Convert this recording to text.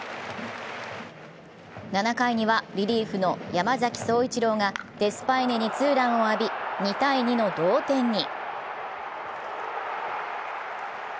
７回にはリリーフの山崎颯一郎がデスパイネにツーランを浴び、２−２の同点に。